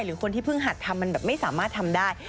หรือคนที่เพิ่งหัดทำมันแบบไม่สามารถทำได้